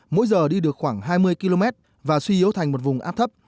mỗi giờ đi được khoảng hai mươi km và suy yếu thành một vùng áp thấp